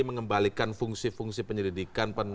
mengembalikan fungsi fungsi penyelidikan